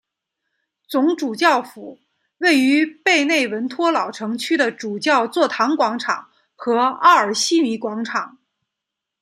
总主教府位于贝内文托老城区的主教座堂广场和奥尔西尼广场。